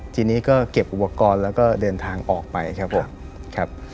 ทีนี้ก็เก็บอุปกรณ์แล้วก็เดินทางออกไปครับผมครับ